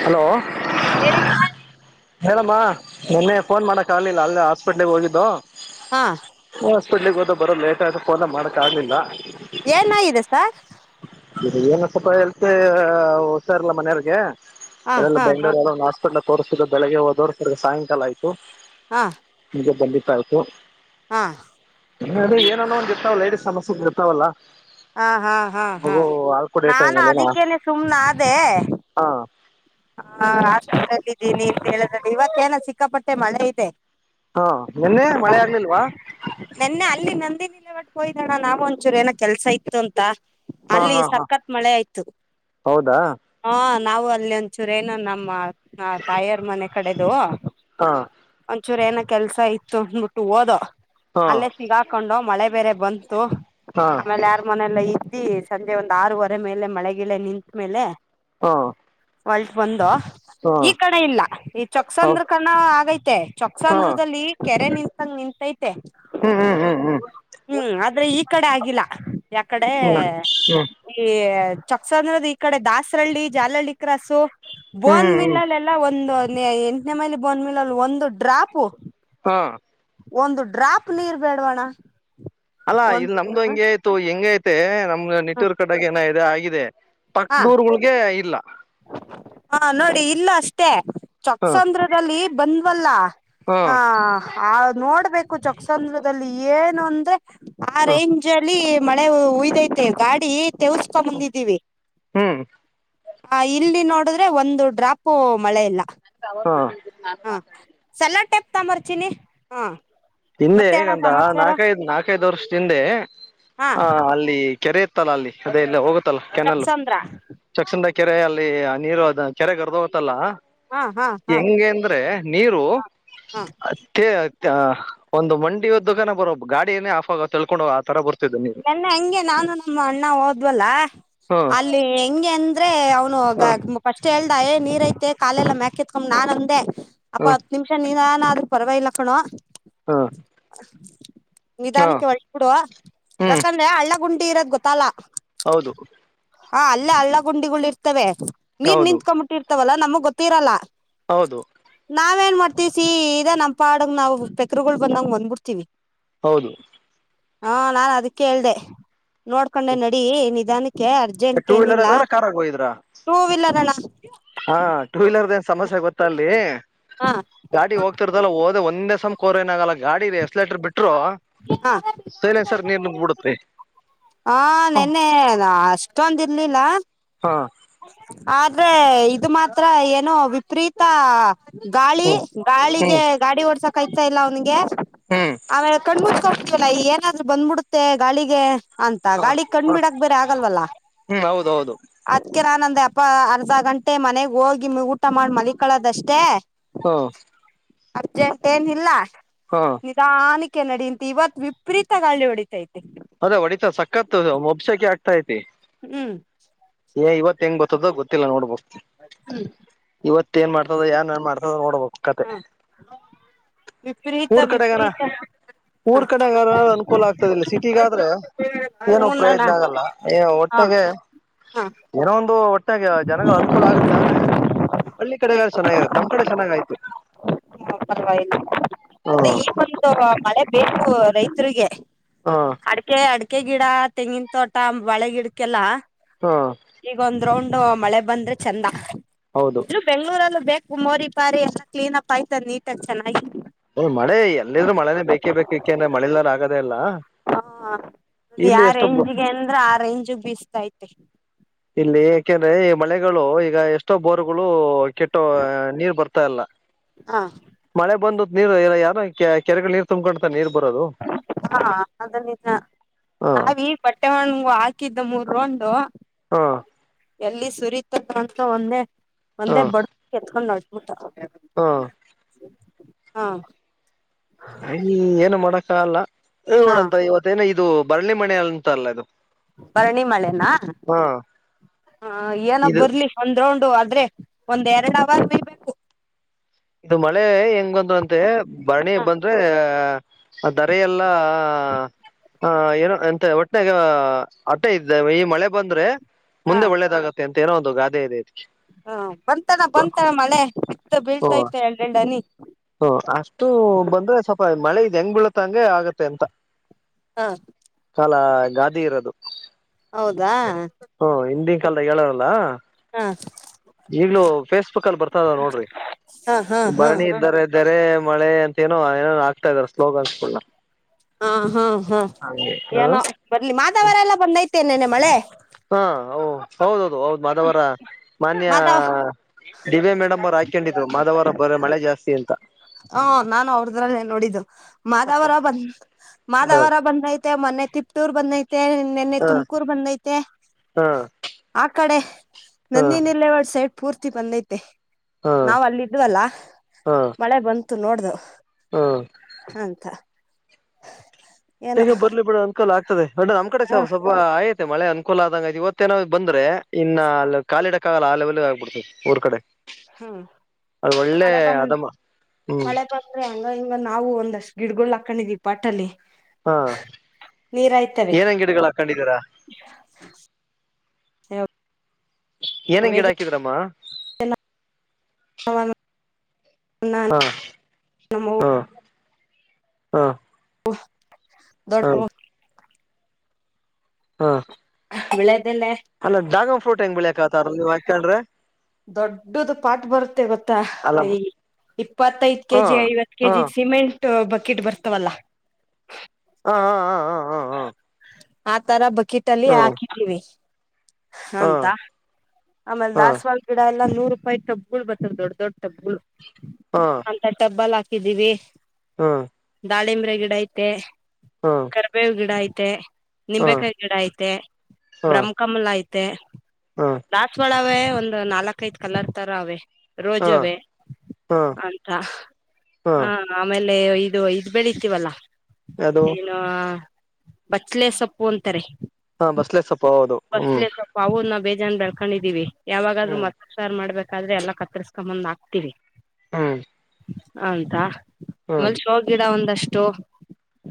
Hello ಹೇಳಿ ಹೇಳಮ್ಮ ನಿನ್ನೆ ಫೋನ್ ಮಾಡಕ್ ಆಗ್ಲಿಲ್ಲ ಅಲ್ಲೇ ಹಾಸ್ಪಿಟ್ಲ್ ಹೋಗಿದ್ದು ಹಾ ಹಾಸ್ಪಿಟ್ಲ್ ಹೋದೋ ಬರೋದ ಲೇಟ್ ಆಗಿ ಫೋನ ಮಾಡಕ್ ಆಗ್ಲಿಲ್ಲಾ ಏನಾಗಿದೆ ಸಾರ್ ಏನು ಸ್ವಲ್ಪ ಹೆಂಡ್ತಿ ಹುಷಾರ್ ಇಲ್ಲ ಮನೆಯವ್ರಿಗೆ ಹಾ ಅಲ್ಲೆಲ್ಲೋ ಹಾ ಹಾ ಬೆಂಗಳೂರು ಏನೋ ಹಾಸ್ಪಿಟ್ಲ್ ತೋರ್ಸದ ಬೆಳಿಗೆ ಹೋದ್ರು ತಿರುಗಿ ಸಾಯಂಕಾಲ ಆಯ್ತು ಹಾ ಈಗ ಬಂದಿದ್ದ ಆಯಿತು ಹಾ ಏನನೋ ಒಂದು ಇರ್ತವಲ್ಲ ಲೇಡೀಸ್ ಸಮಸ್ಯೆ ಇರ್ತಾವಲ್ಲ ಹಾ ಹಾ ಹಾ ಹಾ ಮಗು ಹಾಲ್ ಕುಡಿಯೋ ನಾನು ಟೈಮಲ್ಲಿ ಏನೋ. ಅದಕ್ಕೇನೆ ಸುಮ್ನೆ ಅದೇ ಹಾ ಹಾ ಹಾಸ್ಪಿಟಲ್ ಅಲ್ಲಿ ಇದೀನಿ ಅಂತ ಹೇಳಿದ್ರಲ್ಲ ಇವತ್ತ ಏನೋ ಸಿಕ್ಕಾಪಟ್ಟೆ ಮಳೆ ಇದೆ ಹಾ ನಿನ್ನೆ ಮಳೆ ಆಗ್ಲಿಲ್ವಾ ಲಿಲ್ಲೆವಾಡ ಹೋಗಿದ್ವಿ ಅಣ್ಣ ನಾವು ಒಂಚೂರು ಏನ ಕೆಲ್ಸ ಇತ್ತು ಅಂತ ಹಾ ಅಲ್ಲಿ ಹಾ ಹಾ ಸಖತ್ ಮಳೆ ಆಯ್ತು ಹೌದಾ ಹ ನಾವು ಅಲ್ಲಿ ಒಂದಚೂರೇನ ನಮ್ಮ ತಾಯಿಯರ ಮನೆ ಕಡೆದು ಹಾ ಒಂದಚೂರು ಏನ ಕೆಲ್ಸ ಇತ್ತು ಅಂದಬಿಟ್ಟು ಹೋದೋ ಹಾ ಅಲ್ಲೇ ಸಿಗಾಕೊಂಡು ಮಳೆ ಬೇರೆ ಬಂತು ಹಾ ಆಮೇಲೆ ಯಾರ ಮನೆಯಲ್ಲ ಈ ಸಂಜೆ ಒಂದ್ ಆರೂವರೆ ಮೇಲೆ ಮಳೆಗಿಳ ನಿಂತ ಮೇಲೆ ಹಾ ಹೊಲ್ಟ್ ಬಂದು ಈ ಕಡೆ ಇಲ್ಲಾ ಈ ಹಾ ಹಾ ಚೊಕ್ಕಸಂದ್ರ ಕಣ ಆಗೈತೆ ಹಾ ಚೊಕ್ಸಾಂಧ್ರದಲ್ಲಿ ಕೆರೆ ನಿನ್ತಂಗ ನಿಂತೈತೆ ಹ್ಮ್ ಹ್ಮ್ ಹ್ಮ್ ಹ್ಮ್ ಹ್ಮ್ ಆದ್ರೆ ಈ ಕಡೆ ಆಗಿಲ್ಲ ಯಕಡೆ ಹ್ಮ್ ಹ್ಮ್ ಈ ಚೊಕ್ಸಂದ್ರ ಈ ಕಡೆ ದಾಸರಹಳ್ಳಿ ಜಾಲಳ್ಳಿ ಕ್ರಾಸು ಹ್ಮ್ ಬೋನ್ ಹ್ಮ್ ಹ್ಮ್ ಮಿಲ್ಲ್ ಎಲ್ಲಾ ಒಂದು ಎಂಟನೇ ಮೈಲಿ ಬೋನ್ವಿಲಲ್ಲಿ ಒಂದು ಡ್ರಾಪು ಹಾ ಒಂದು ಡ್ರಾಪ್ ನೀರ್ ಬೇಡವಣ ಅಲ್ಲಾ ಇಲ್ಲಿ ಒಂದು ನಮ್ದು ಹ ಹಂಗೆ ಆಯ್ತು ಹೆಂಗ ಐತೆ ನಮ್ದ ನಿಟ್ಟೂರ್ ಕಡೆಗೆ ಏನ ಇದೆ ಆಗಿದೆ ಹ ಪಕ್ಕದ ಊರೊಳಗೆ ಇಲ್ಲ ಹಾ ನೋಡಿ ಇಲ್ಲು ಅಷ್ಟೇ ಹ ಚೊಕ್ಕಸಂದ್ರದಲ್ಲಿ ಬಂದ್ವಲ್ಲ ಹ ಹ ಆ ನೋಡ್ಬೇಕು ಚೊಕ್ಸಂದ್ರದಲ್ಲಿ ಏನು ಅಂದೆ ಆ ಹ ರೇಂಜ್ ಅಲ್ಲಿ ಮಳೆ ಉಯ್ದೈತೆ ಗಾಡಿ ತೆವಕೊಂಡು ಬಂದಿಡಿವಿ ಹ್ಮ್ ಹ ಇಲ್ಲಿ ನೋಡಿದ್ರೆ ಒಂದು ಡ್ರಾಪ್ು ಮಳೆ ಇಲ್ಲ ಹಾ ಹಾ ಸಲ ಟೆಪ್ತಾ ಮರ್ಚಿ ಚಿನ್ನಿ ಹಾ ಹಿಂದೆ ಮತ್ತೆ ಅಣ್ಣ ಈಗಂದ ಸಮಾಚಾರ ನಾಲ್ಕೈದು್ ನಾಲ್ಕೈದು ವರ್ಷ ಹಿಂದೆ ಹಾ ಆ ಅಲ್ಲಿ ಕೆರೆ ಲ್ಲ ಅಲ್ಲಿ ಅದೇ ಇಲ್ಲ ಹೋಗುತ್ತಲ್ಲ ಕೆನಲ್ ಚೊಕ್ಕಸಂದ್ರ ಚಕ್ಷನ್ದಾಗಿ ಕೆರೆ ಅಲ್ಲಿ ನೀರು ಅದು ಕೆರೆ ಗರ್ದ ಹೋಗುತಲ್ಲಾ ಹಾ ಹಾ ಹಾ ಹಾ ಹೆಂಗೆ ಅಂದ್ರೆ ಹಾ. ನೀರುತ್ಯ ಒಂದು ಮಂಡಿಿಯದ್ದು ನನ ಬರೋ ಗಾಡಿಯೇ ಆಫ ಆೋ ತ ತಿಳ್ಕೊಂಡೋಗ ಆ ತರ ಬರುತ್ತ ನನ್ನೆ ಹಂಗೆ ನಾನು ನಮ್ಮ ಅಣ್ಣ ಹೋದ್ವಲ್ಲ ಹ್ಮ್ ಅಲ್ಲಿ ಹೆಂಗೆ ಅಂದ್ರೆ ಹ ಅವ್ನು ಫಸ್ಟ್ ಹ ಏ ನೀರ್ ಐತೆ ಕಾಲೆಲ್ಲಾ ಮ್ಯಾಕತ್ಕೊಂಡ್ ನಾನ್ ಅಂದೆ ಹ ಅಪ್ಪ ಹತ್ ನಿಮಿಷ ನಿಧನ ಪರ್ವಾಗಿಲ್ಲ ಕಣೋ ಹಾ ನಿಧಾನಕ್ಕೆ ಓಲ್ಟ್ಬಿಡು ಬಿಡು ಹ್ಮ್ ಯಾಕಂದ್ರೆ ಹಳ್ಳ ಗುಂಡಿ ಇರೋದ್ ಗೊತ್ತಲ್ಲ ಹೌದು ಹಾ ಅಲ್ಲೇ ಹಳ್ಳ ಗುಂಡಿಗಳು ಇರ್ತವೆ ನೀರ್ ಹೌದು ನಿತ್ಕೊ್ಂಬಿಟ್ಟಿ ಇರ್ತವಲ್ಲಾ ನಮಗ್ ಗೊತ್ತಿರಲ್ಲ ಹೌದು ನಾವ ಏನ್ ಮಾಡ್ತೀವಿ ಸಿ ಇದ ನಂಪಾಡ ನಾವು ಪೆಕ್ರಗಳು ಬಂದಂಗ್ ಬಂದ್ಬಿಡ್ತಿೀವಿ ಹೌದು ಹಾ ನಾ ಅದಕ್ಕೆೇಳ್ದೆ ನೋಡ್ಕೊಂಡೆ ನಡಿ ನಿಧಾನಕ್ಕೆ ಅೆ ಅರ್ಜೆಂಟ್ ಟೂ ಏನಿಲ್ಲ ವೀಲರ್ಗಾರ ಕಾರಾಗ ಹೋಗಿದ್ರಾ ಟೂ ವೀಲರ್ ಅಣ್ಣಾ ಹಾ ಟೂ ವೀಲರ್ದ ಏನ್ ಸಮಸ್ಯೆ ಗೊತ್ತ ಅಲ್ಲಿ ಹಾ ಗಾಡಿ ಹೋಗ್ತಿರ್ತಲ್ಲ ಹೋದ ಒಂದೇ ಮ ಕೋರ್ ಏನ ಆಗಲ್ಲ ಗಾಡಿ ಎಸ್ಲೇಟರ್ ಬಿಟ್ಟರು ಹ ಸೈಲೆನ್ ಸರ್ ನೀರ್ ನುಗ್ಬ ಬಿಡುತ್ತೆ ಹಾ ಹಾ ನೆನ್ನೆ ಅಷ್ಟೊಂದ ಇರ್ಲಿಲ್ಲ ಹಾ ಆದ್ರೆ ಇದು ಮಾತ್ರ ಏನುೋ ವಿಪರೀತ ಗಾಳಿ ಹ್ಮ್ ಗಾಳಿಗೆ ಗಾಳಿ ಓಡ್ಸ ಕಯ್ತಾ ಇಲ್ಲ ಅವನಿಗೆ ಹ್ಮ್ ಹ್ಮ್ ಆಮೇಲೆ ಕಣ್ಮಟ್ಕತವಲ್ಲ ಏನಾದ್ರು ಬಂದ್ಬಿಡುತ್ತೆ ಗಾಳಿಗೆ ಅಂತ ಹ ಗಾಳಿ ಕಣ್ಣು ಬಿಡಕ್ ಬೇರೆ ಆಗಲ್ವಲ್ಲ ಹ್ಮ್ ಹೌದೌದು ಅದ್ಕ ನಾನಂದೆ ಸ್ವಲ್ಪ ಅರ್ಧ ಗಂಟೆ ಮನೆಗ್ ಹೋಗಿ ಊಟ ಮಾಡಿ ಮಲಕಳೋದಷ್ಟೇ ಹೂ ಅರ್ಜೆಂಟ್ ಏನು ಇಲ್ಲ ನಿಧಾನ ಕೆ ನಡಿ ಅಂತ ಇವತ್ ವಿಪರೀತ ಗಾಳಿ ಹೊಡಿತೈತೆ ಅದೇ ಹೊಡಿತ ಸಕತ್ ಮೊಬ್ಸಕೆ ಆಗ್ತಾ ಐತಿ ಹೂ ಏ ಇವತ್ತು ಹೆಂಗ್ ಗತ್ತೋ ಗೊತ್ತಿಲ್ಲ ನೋಡ್ಬೇಕು ಹೂ ಇವತ್ತ ಏನ್ ಮಾಡ್ತದ ಏನ್ ಏನ್ ಮಾಡ್ತದ ನೋಡ್ಬೇಕ ಕತೆ ಹ್ಮ ವಿಪರೀತ ಊರ್ ಕಡೆಗನ ವಿಪರೀತ ಹ ಊರ್ ಕಡೆಗ್ರ ಅನುಕೂಲ ಆಗ್ತದಿಲ್ಲ ಸಿಟಿಗಾದ್ರೆ ಏನು ಹೂನಣ್ಣ ಪ್ರಯೋಜನ ಆಗಲ್ಲ ಹಾ ಒಟ್ಟೆಗೆ ಹಾ ಏನೋ ಒಂದು ಗತ್ತಾಗ ಜನಗ ಅನುಕೂಲ ಆಗುತ್ತೆ್ರ ಹಳ್ಳಿ ಕಡೆಲ್ಲ ಚೆನ್ನಾಗಿರ ನಮ್ ಕಡೆ ಚೆನ್ನಾಗಯ್ತು ಎಲ್ಲ ಈ ಬಂತ ಬೇಕು ರೈತರಿಗೆ ಹ್ಮ್ ಅಡಕೆ ಅಡ ಅಕ್ಕೆ ಗಿಡ ತೆಂಗಿನ ತೋಟ ಬಳೆ ಗಿಡಕ್ಕೆಲ್ಲಾ ಹಾ ್ರೌಂಡ್ ಮಳೆ ಬಂದ್ರೆ ಚಂದ ಹೌದು ಇದ್ರರು ಬೆಂಗಳೂರಲ್ಲ ಬೇಕ ಮೋರಿ ಪಾರಿ ಎಲ್ಲ ಕ್ಲೀನ್ ಅಪ್ ಆಯ್ತದ ನೀಟಾಗಿ ಚೆನ್ನಾಗಿ. ಹ್ಮ್, ಮಳೆ ಎಲ್ಲಿದ್ರು ಮಳೆನೇ ಬೇಕೇ ಬೇಕು ಏಕೆಂದ್ರೆ ಮಳೆಲ್ಲಾರ ಆಗದೇ ಇಲ್ಲ ಹಾ ಅದು ಯ ಇಲ್ಲಿ ಎಷ್ಟೋ ಬೊ- ರೇಂಜ್ಗೆ ಅಂದ್ರ ಆ ರೇಂಜಗ್ ಬಿಸತೈತೆ. ಇಲ್ಲಿ ಏಕೆಂದ್ರೆ ಈ ಮಳೆಗಳು ಈಗ ಎಷ್ಟೋ ಬೋರ್ಗಳು ಕೆಟ್ಟೋ ನೀರ್ ಬರ್ತಾಲ್ಲ. ಹ ಮಳೆ ಬಂದ ನೀರ್ ಯಾರ ಕೆರೆಗಳ ನೀರ್ ತುಂಬ್ಕೊತ ನೀರ್. ಬರೋದು ಹಾ ಅದು ನಿಜ. ಹ್ಮ್ ನಾವಿ ಬಟ್ಟೆ ಹಣ ಹಾಕಿದ್ದ ಮೂರ್ ರೊಂಡು. ಹಾ. ಎಲ್ಲಿ ಸುರಿತಂತ ಒಂದೇ ಒಂದೇ ಬಡ ಎತ್ಕೊಂಡ್ ನಡ್ಬಿಟ್ಟ. ಹಾ. ಹಾ. ಅಯ ಏನು ಮಾಡಕ್ಕಲ್ಲ ಹಾ ನೋಡಂತ ಇವತ್ತೇನ. ಇದು ಬರಳಿ ಮಣೆಯ ಅಂತ ಅಲ್ಲ ಇದು. ಭರಣಿ ಮಳೆನಾ ಹಾ ಹ ಏನ ಇದು ಬರ್ಲಿ ಒಂದ ರೌಂಡು. ಆದ್ರೆ ಒಂದ್ ಎರಡ್ ಅವರ್ ಬಿಲ್ಬೇಕು. ಇದು ಮಳೆ ಎಂಗ ಹಂಗಂದ್ರಂತೆ ಬರಣಿ ಹ ಬಂದ್ರೆ ದರ ಎಲ್ಲಾ. ಹ ಏನೋ ಎಂತ ಒಟ್ಟನೆಗ ಅಟ್ಟೆ ಇದ್ದ ಈ ಮಳೆ ಬಂದ್ರೆ ಹಾ ಮುಂದೆ ಒಳ್ಳೇದಾಗತ್ತೆ ಅಂತ್ ತರೋದು ಗಾದೆ ಇದೆತೆ. ಹಾ ಬಂತಾನ ಬಂತಾನ ಮಳೆ ಇತ್ತ ಬೀಳ್ತೈತ ಎರ ಎರಡ್ ಹನಿ. ಹ ಅಷ್ಟು ಬಂದ್ರೆ ಸ್ವಲ್ಪ ಮಳೆ ಇದು ಹೆಂಗ್ ಬೀಳತ್ತ. ತಂಗೆ ಆಗತ್ತೆ ಅಂತ ಹಾ ಕಾಲ ಗಾದಿ ಇರೋದು. ಹೌದಾ ಹ್ಮ ಹಿಂದಿನ ಕಾಲದ ಹೇಳೋರಲ್ಲ. ಹಾ ಈಗ್ಲ ಫೇಸ್ಬುಕ್ ಅಲ್ಲಿ ಬರ್ತದ ನೋಡ್ರಿ. ಹಾ ಹಾ ಹಾ ಬರಣಿ ಹಾ ಇದ್ದಾರೆ ತೆರೆ ಮಳೆ ಅಂತ ಏನೋ ಏನ ಆಗ್ತಾ ಇದಾರೆ ಸ್ಲೋಗನ್ಸ್ಗಳಲ್ಲ. ಹಾ ಹ್ಮ್ ಹ್ಮ್ ಏನೋ ಬರ್ಲಿ ಮಾದವರೆಲ್ಲ ಬಂದೈತೆೇ ನೆನ್ನೆ ಮಳೆ. ಹಾ ಹೌದೌದು ಹೌದ ಮಾದವರ. ಮಾನ್ಯ ಮಾದಾವ ದಿವ್ಯಾ ಮೇಡಮ್ ಅವ್ರು ಹಾಕೊಂಡಿದ್ರು ಮಾದವಾರ ಬರ ಮಳೆ ಜಾಸ್ತಿ ಅಂತ. ಹ ನಾನು ಅವ್ರದ್ರಲ್ಲ ನೋಡಿದ್ದು ಮಾದವರ ಬಂದ ಹ ಮಾದವರ ಬಂದೈತೆ ಮೊನೆ. ತಿಪ್ಪ್ಟೂರ್ ಬಂದೈತೆ ನಿನ್ನೆ ಹ ತುಮಕೂರ್ ಬಂದೈತೆ. ಹಾ ಆ ಕಡೆ ಹಾ ನಂದಿನಿಲ್ಲೇ ಒಡ್ಸೆಟ್. ಪೂರ್ತಿ ಬಂದೈತೆ ಹಾ ನಾವು ಅಲ್ಲ ಇದ್ವಲ್ಲ. ಹಾ ಅಂತು ನೋಡ್ದ. ಹಾ. ಅಂತ. ಏನೋ ಹೇಗ ಬರ್ಲಿ ಬಿಡ ಅನ್ಕಲ್ ಆಗ್ತದೆ ಅ್ರ ನಮ್ಮ ಕಡೆ ಹ ಸಲ್ಪ ಸ್ವಲ್ಪಯತ. ಮಳೆ ಅನುಕೂಲ ಆದಂಗ ಇ ಇವತ್ತೇನಾದ್ ಬಂದ್ರೆ ಇನ್ನ ಅಲ್ಲಿ ಕಾಲಿಡ. ಆಗಲ್ಲ ಆ ಲೆವೆಲ್ ಆಗ್ಬಿಡ್ತದೆ ಊರ್ ಕಡೆ. ಹ್ಮ ಅದು ಒಳ್ಳೆ ಮಳೆ ಬಂದ ಅದಮ್ಮ ಹ್ಮ್ ಮಳೆ ಬಂದ್ರೆ ಹಂಗ ಹಂಗ ನಾವು ಒಂದ್. ಒಂದ್ಷ್ಟ ಗಿಡಗಳು ಹಾಕೊಂಡಿದೀ ಪಪಾಟ್ ಅಲ್ಲಿ. ಹಾ ಏನ ಗಿಡಗಳ ಹಾಕೊಂಡಿದೀರಾ. [inaudible] ಏನ್ ಏನ್ ಗಿಡ ಬೇಜ ಹಾಕಿದೀರಮ್ಮ. [inaudible] ನನ್ ಹಾ [inaudible] ನಮವ್ ಹಾ ಹಾ [inaudible] ಹಾ ದೊಡ್ತ. ಹಾ. ವೀಳ್ಯದೆಲೆ ಅಲ್ಲ ಡಾಗಾನ್ ಫ್ರೋಟ್ ಹೆಂಗ್ ಬೆಳಿಕ್ ಆತಾರ ನೀವ ಹಾಕೊಂಡ್ರೆ. ದೊಡ್ಡದು ಪಾಠ ಬರುತ್ತೆ ಗೊತ್ತಾ ಅಲ್ಲ ಹ. ಇಪ್ಪತ್ತೈದು ಹಾ ಕೆಜಿ ಐವತ್ತು ಹಾ ಕೆಜಿ ಸಿಮೆಂಟ್ ಬಕೆಟ್ ಬರ್ತವಲ್ಲ. ಹಾ ಹಾ ಹಾ ಹಾ ಆ ತರ ಬಕಿಟಲ್ಲಿ ಹಾ ಹಾಕಿದೀವಿ. ಅಂತ ಹಾ ಆಮೇಲೆ ಹಾ ಹಾ ದಸ್ವಾಳ ಲ್ಲಾ ನೂರು ರೂಪಾಯಿ ಟಬ್ಬಗಳು ಬರ್ ದೊಡ್ಡ ದೊಡ್ ಟಬ್ಬಗಳು ಹಾ ಹಾ ಅಂತ ಟಬ್ಬಾ ಇದಿದ್ದೀವಿ ಹಾ ದಾಳಿಂಬ್ರ ಗಿಡ ಐತೆ ಹಾ ಹಾ ಕರ್ಬೇವ ಗಿಡ ಐತೆ ನಿಂಬೆೇಕಾಯಿ ಗಿಡ ಐತೆ ಬ್ರಹ್ಮಕಮಲ ಐತೆ ಹಾ ದಾಸವಾಳವೇ ನಾಲ್ಕ ಐ ಕಲರ್ತರ ಅವೇ ಹಾ ರೋಜವೇ ಹಾ ಅಂತ ಹಾ ಹ ಆಮೇ ಅ ಇದು ಇದ್ ಬೆಳಿತೀವಲ್ಲ ಅದು ಏನು ಬಚ್ಲೆ ಸೊಪ್ಪು ಅಂತಾರೆ ಹಾ ಬಸ್ಲೆ ಸೊಪ್ಪ ಹೌದು ಹ್ಮ್ ಬಚ್ಲೆ ಸೊಪ್ಪು ಅವವು ನ ಬ ಜನ್ ಬೆಳ್ಕೊಂಡಿದೀವಿ ಯಾವಾಗಾದ್ ಹ್ಮ್ ಮತ್ತ ಸಾರ್ ಮಾಡ್ಬೇಕಾದ್ರ ಎಲ್ಲ ಕತ್ತರ್ಸ್ಕೊಂಬಂದ್ ಹಾಕ್ತಿೀವಿ ಹ್ಮ್ ಹಂತಾ ಹ್ಮ್ ಆಮೇಲ್ ಶೋ ಗಿಡ ಒಂದಷ್ಟು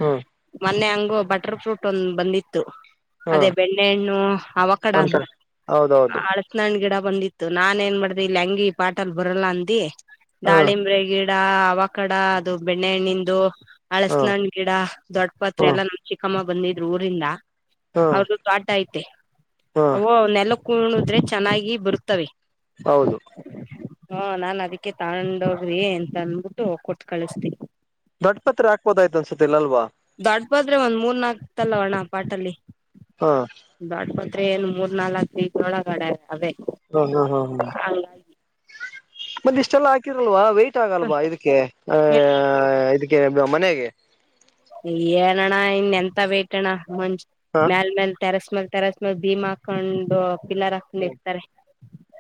ಹ್ಮ್ ಮೊನ್ನೆ ಅಂಗ ಬಟರ್ ಫ್ರೂಟ್ ಒಂದ್ ಬಂದಿತ್ತು ಅದೇ ಹ್ಮ್ ಬೆಣ್ಣೆಹಣ್ಣು ಅವಕಡ ಅಂತ ಅಂತಾರ ಹೌದೌದು ಅಳತ್ನಹಣ್ ಗಿಡ ಬಂದಿತ್ತು ನಾನನ್ ಏನ್ ಮಾಡ್ದ ಇಲ್ಲಿ ಹೆಂಗಿ ಪಾಟಲ್ ಬರಲ್ಲ ಅಂದ ಹಾ ದಾಳಿಂಬ್ರ ಗಿಡ ಡ ಅವ ಕಡ ಅದು ಬೆಣ್ಣೆಹಣ್ಣಂದು ಹಾ ಅಳ್ಸನ್ಣ್ ಗಿಡ ದೊಡ್ಡ ಪಾತ್ರೆ ಹಾ ಎಲ್ಲ ನಮ್ ಚಿಕ್ಕಮ್ಮ ಬಂದಿದ್ರು ಊರಿಂದ ಹಾ ಅವ್ದ ದ ತೋಟ ಐತೆ ಹಾ ಅ ನೆಲ ಕಣುದ್ರೆ ಚೆನ್ನಾಗಿ ಬರ್ತವೆ ಹೌದು ಹಾ ನಾನ್ ಅದಿಕ್ಕೆ ತಗೊಂಡವ್ರಿ ಅಂತ ಅಂದಬಿಟ್ಟು ಕೊಟ್ಟು ಕಳಿಸತೇ ತಿಲಲ್ವಾ ದೊಡ್ಬಾದ್ರೆ ಒಂದ್ ಮೂರ್ ನಾಕ್ತಲ್ಲ ಅಣ್ಣ ಪಾಟಲ್ಲಿ ಹಾ ದೊಡ್ಬಾದ ಅ ಏನ್ ಮೂರ್ ನಾಲ್ಕೀ ಒಳಗಡೆ ಅವದೇ ಹ್ಮ ಹ್ಮ್ ಹ್ಮ ಹ್ಮ್ ಮತ್ತ ಇಷ್ಟೆಲ್ಲ ಹಾಕಿರಲ್ವಾ ವೇಟ ಆಗಲ್ವಾ ಇದಕ್ಕೆ ಆ ಇದ ಮನೆಗೆ ಏನಣ್ಣ ಇನ್ ಎಂತ ವೇಟ್ ಅಣ್ಣ ಮಂಜ ಹಾ ಮ್ಯಲ್ ಮೇಲ್ ತೆರಸ್ ಮ್ಯಲ್ ತರಸ್ಮ ಭೀಮಾ ಹಾಕೊಂಡು ಪಿಲ್ಲರ್ ಹಾಕೊಂಡ್ ಇರ್ತಾರೆ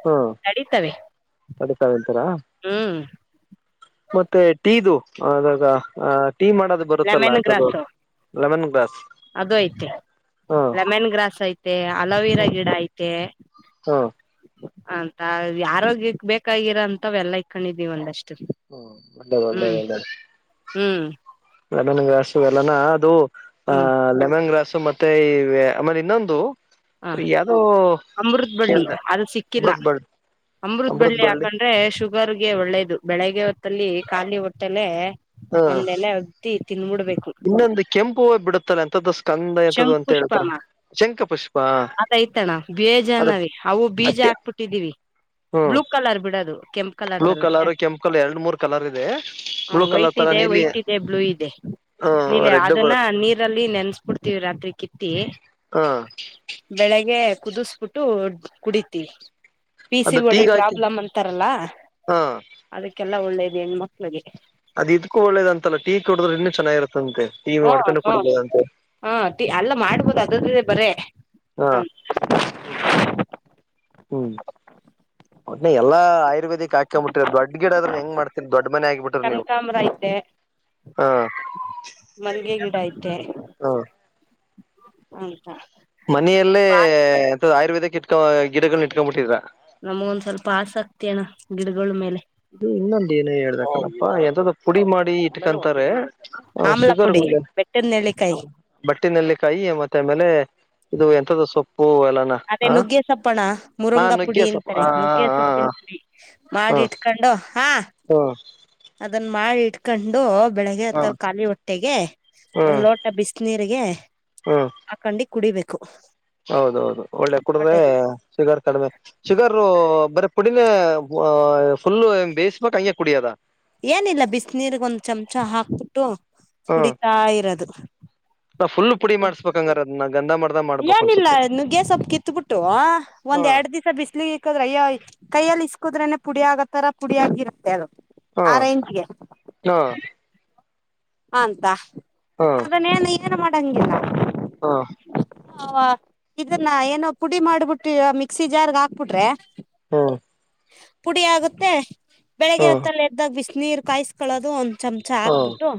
ಹ್ಮ್ ನಡೀತವೆ ಅದೇ ತಗಂತೀರ ಹ್ಮ್ ಮತ್ತೆ ಟೀದು ಅದಾಗ ಆ ಟೀ ಮಾಡೋದು ಬರುತ್ತಲ್ಲ ಲೆಮನ್ ಎಥದು ಗ್ರಾಸು ಲೆಮನ್ ಗ್ಸ್ ಅದು ಐತೆ ಲೆಮನ್ ಗ್ರಾಸ್ ಐತೆ ಅಲೋವಿರಾ ಗಿಡ ಐತೆ ಹಾ ಅಂತ ಆರೋಗ್ಯಕ್ ಬೇಕಾಗಿರಾ ಅಂತ ಎಲ್ಲ ಇಕೊಂಡಿದೀವಿ ಒಂದಷ್ಟೇ ಹ್ಮ ಒಂದೆ ಮಂದಲ್ಲ ಹ್ಮ್ ಲೆಮನ್ ಗ್ರಾಸು ಎಲ್ಲಾನ ಅದು ಹ್ಮ್ ಆಹ್ ಲೆಮನ್ ಗ್ರಾಸು ಮತ್ತೆ ಈ ಆಮೇಲೆ ಇನ್ನೊಂದು ಹಾ ಯಾದೋ ಅಮೃತ್ ಬಳ್ಳಿ ಕೇಳ್ದ ಅದು ಸಿಕ್ಕಿಲ್ಲ ಹಡದಬಡ್ದು ಅಮೃತ್ ಬಳ್ಳಿ ಹಾಕಂಡ್ರೆ ಶು ಇವರ್ಗೆ ಒಳ್ಳೇದು ಬೆಳಿಗ್ಗೆ ಹೊತ್ತಲ್ಲಿ ಖಾಲಿ ಹೊಟ್ಟೆಲೆ ಹಾ ಒಂದೆಲೆ ಅಗ್ ತಿದಬಿಡ್ಬೇಕು ಹೋಯ್ ಬಿಡುತ್ತಲ್ಲ ಎಂತದ್ದು ಸ್ಕಂದ ಎಂತದು ಅಂತ ಹೇಳ್ತಾರೆ ಪುಷ್ಪನ ಶಂಕ ಪುಷ್ ಅದೈತಣ ಗೇಜಾಣ್ಣವಿ ಅವು ಬೀಜ ಅತ್ಯ ಹಾಕ್ಬಿಟ್ಟಿದ್ದೀವಿ ಹ್ಮ್ ಬ್ಲೂ ಕಲರ್ ಬಿಡದು ಕೆಂಪ ಬ್ಲೂ ಕಲರ್ ಕೆಂಪು ಕಲ್ ಎರಡು ಮೂರ್ ಕಲರ್ ಇದೆ ಹ ಬ್ಲೂ ಕಲರ್ ವೈಟ್ ತರ ಇದೆ ನೀಲಿ ವೈಟ್ ಇದೆ ಬ್ಲೂ ಇದೆ ಹ ನೀಲೆ ರೆಡ್ ಅದನ್ನ ಬರುತ್ತೆ ನೀರಲ್ಲಿ ಅನ್ಸ್ಬಿಡ್ತೀವಿ ರಾತ್ರಿ ಕಿತ್ತಿ ಹಾ ಬೆಳಿಗ್ಗೆ ಕುದಿಸಬಿಟ್ಟು ಕುಡತಿ ಪ ಸಿ ಅದು ಒಡಿ ಟೀಗ್ ಹಾಕಿ ಪ್ರಾಬ್ಲಮ್ ಅಂತಾರಲ್ಲ ಹಾ ಅದಕ್ಕೆಲ್ಲ ಒಳ್ಳೇದು ಹೆಣ ಮಕ್ಳಿಗೆ ಅದ ಇದ್ಕ್ಕೂ ಒಳ್ಳದ ಅಂತಲ್ಲ ಟೀ ಕುಡಿದ್ರರು ಇನ್ನುೂ ಚೆನ್ನಾಗಿರುತ್ತೆ ಹು ಹು ಹು ಹಾ ಟಿ ಎಲ್ಲ ಮಾಡ್ಬೋದು ಅದ್ರುದೇ ಬರೇ ಹಾ ಹ ಮ ಹ್ಮ್ ಒಟ್ಟ್ನಲೆಲ್ಲ ಆಯುರ್ವೇದಕ್ ಹಾಕೊಂಬಿಟ್ಟ್ರ ದೊಡ್ ಗಿಡ ಆದ್ರೆ ಹೆಂಗ ಮಾಡ್ತೀನಿ ದೊಡ್ಡ ಮನೆ ಆಗ್ಬಿಟ್ರೆ ನೀವು ಕನಕಾಂಬ್ರ ಐತೆ ಹ ಮಲ್ಗೆ ಗಿಡ ಐತೆ ಹ ಹುಂತ ಮನೆಯಲ್ಲೇ ಅ ಆಯುರ್ವೇದಕ್ ಇಟ್ಕ ಗಿಡಗಳನ್ ಇಟ್ಕೊಬಿಟ್ಟಿದ್ರ ನಮ್ಗೊಂದ್ ಸ್ವಲ್ಪ ಆಸಕ್ತಿ ಅಣ್ಣ ಗಿಡಗಳ ಮೇಲೆ ಇನ್ನೊಂದ ಏನ ಇಟ್ಟಿರ್ತರೆ ಹ ಆಮ್ಲ ಶುಗರ್ ಪುಡಿ ಗಳು ಬೆಟ್ಟದ ನೆಲ್ಲಿಕಾಯಿ ಬಟ್ಟಿನಲ್ಲಿ ಕಾಯಿ ಮತ್ತೆ ಆಮೇಲೆ ಇದು ಎಂಥದ್ದು ಸೊಪ್ ಅದೇ ನುಗ್ಗೆ ಸೊಪ್ಪಣ್ಣ ಹಾ ಮುರುಂಗ ನುಗ್ಗೆ ಪುಡಿ ಸೊಪ್ಪು ಹ ಅಂತಾರೆ ನುಗ್ಗೆ ಸೊಪ್ಪಿನ ಪುಡಿ ಮಾಡಿ ಇಟ್ಕೊಂಡು ಹಾ ಹಾ ಅದನ್ನ ಮಾಡಿ ಇಟ್ಕೊಂಡು ಬೆಳಿಗ್ಗೆ ಹೊತ್ತಲ್ಲಿ ಖಾಲಿ ಹೊಟ್ಟೆಗೆ ಒಂದ್ ಹ್ಮ್ ಲೋಟ ಬಿಸ್ನೀರ್ಗೆ ಹ್ಮ್ ಅಕಂಡಿ ಕುಡಿಬೇಕು ಹೌದೌದು ಒಳ್ಳೆ ಕುಡ್ರೇ ಒಳ್ಳೇದು ಶುಗರ್ ಕಡಿಮೆ ಶುಗರು ಬರೆ ಪುಡಿ ಫುಲ್ಲೂ ಆ ಫುಲ್ಲು ಬೇಯ್ಸಬೇಕ ಹಂಗೆ ಕುಡಿಯದಾ ಏನಿಲ್ಲ ಬಿಸ್ನೀರ್ಗ ಒಂದ್ ಚಮಚ ಹಾಕ್ಬಿಟ್ಟು ಕುಡಿತಾ ಇರೋದು ನ ಫುಲ್ ಪುಡಿ ಹ್ಮ ಮಾಡಸ್ಬೇಕಂಗಾರ ಅದನ್ನ್ ಮಾಡಿ ಏನಿಲ್ಲ ನುಗ್ಗೆ ಸೊಪ್ಪ್ ಕಿತ್ಬಿಟ್ಟು ಹ ಒಂದ್ ಎರಡ್ ದಿವ್ಸ ಬಿಸ್ಲು ಇಕ್ಕದ್ರ ಅಯ್ಯ ಕೈಯಲ್ಲಿ ಇಸ್ಕ್ ಇಕ್ಕದ್ರನೆ ಪುಡಿ ಆಗತ್ತಾರ ಪುಡಿ ಆಗಿತ್ತೆ ಅದು ಹು ಆ ರೇಂಜ್ಗೆ ಹು ಅಂಬ ಅದನ್ನೇನು ಏನು ಮಾಡಂಗಿಲ್ಲ ಹಾ ಹ ಇದನ್ನ ಏನೋ ಪುಡಿ ಮಾಡ್ಬಿಟ್ಟಿ ಮಿಕ್ಸಿ ಜಾರ್ಗ್ ಹಾಕ್ಬಿಟ್ರೆ ಹ್ಮ್ ಪುಡಿ ಆಗುತ್ತೆ ಬೆಳಿಗ್ಗೆ ಹ್ಮ್ ಹೊತ್ತಲ್ಲಿ ಎದ್ದಾಗ ಬಿಸ್ನೀರು ಕಾಯಿಸಕೊಳ್ಳೋದು ಒಂದ್ ಚಮಚ ಹ್ಮ್ ಹಾಕ್ಬಿಟ್ಟು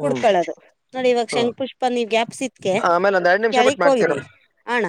ಹ್ಮ್ ನೋಡಿ ಇವಾಗ ಹ್ಮ್ ಶಂಖ್ ಪುಷ್ಪಲ್ಲಿ ನೀವ್ ಗ್ಯಾಪ್ಸಿದ್ಕೆ ಆಮೇಲೆ ಒಂದ್ ಎರಡ್ ನಿಮಿಷ ಬಿಟ್ಟು ಮಾಡ್ತೀರಮ್ಮ ಕೆಳಕ್ಕೊಗಿದೆ ಅಣ